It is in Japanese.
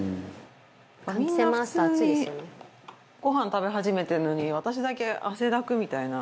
みんな普通にごはん食べ始めてるのに私だけ汗だくみたいな。